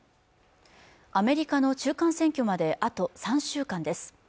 アメリカの中間選挙まであと３週間です